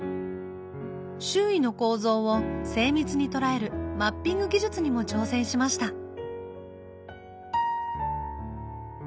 周囲の構造を精密に捉えるマッピング技術にも挑戦しました。